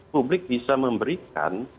publik bisa memberikan